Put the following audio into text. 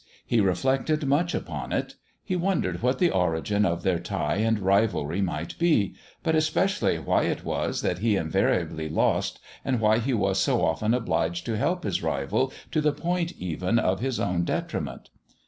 He reflected much upon it; he wondered what the origin of their tie and rivalry might be, but especially why it was that he invariably lost, and why he was so often obliged to help his rival to the point even of his own detriment.